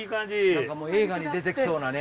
何かもう映画に出てきそうなね。